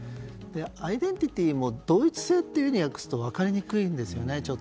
アイデンティティーという言葉も同一性と訳すと分かりにくいんですよね。